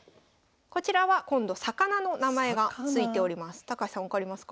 こちらは今度魚の名前が付いております。